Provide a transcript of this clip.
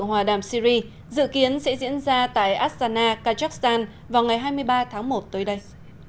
hòa đàm syri dự kiến sẽ diễn ra tại astana kazakhstan vào ngày hai mươi ba tháng một tới đây